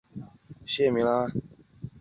胜眼光是香港已退役纯种竞赛马匹。